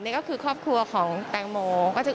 นี่ก็คือครอบครัวของแตงโม